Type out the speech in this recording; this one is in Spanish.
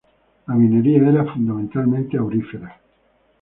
La minería era fundamentalmente aurífera.